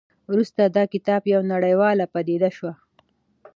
وروسته دا کتاب یوه نړیواله پدیده شوه.